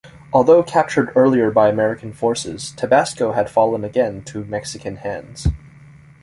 Although captured earlier by American forces, Tabasco had fallen again to Mexican hands.